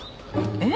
えっ？